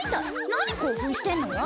何興奮してんのよ。